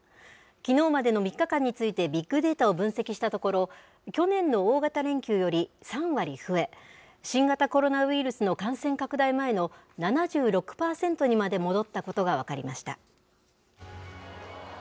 きのうまでの３日間についてビッグデータを分析したところ、去年の大型連休より３割増え、新型コロナウイルスの感染拡大前の７６％にまで戻ったことが分かりました。